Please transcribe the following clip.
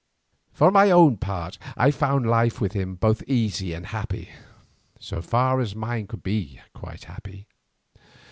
For my own part I found life with him both easy and happy, so far as mine could be quite happy.